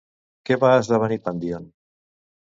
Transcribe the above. Què va esdevenir Pandíon?